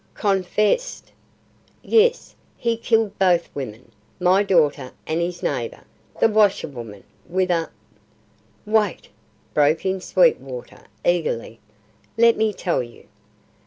"Confessed!" "Yes, he killed both women; my daughter and his neighbour, the washerwoman, with a " "Wait," broke in Sweetwater, eagerly, "let me tell you."